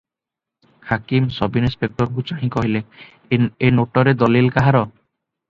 ହାକିମ ସବ୍ଇନିସ୍ପେକ୍ଟରଙ୍କୁ ଚାହିଁ କହିଲେ- "ଏ ନୋଟରେ ଦଲିଲ କାହାର?"